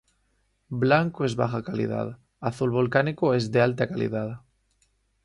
Blanco es baja calidad, azul volcánico es de alta calidad.